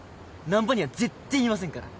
難破には絶対言いませんから。